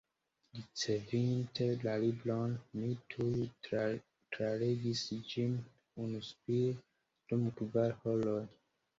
Ricevinte la libron, mi tuj tralegis ĝin unuspire dum kvar horoj.